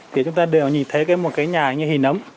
thì chúng ta đều nhìn thấy một cái nhà hình ấm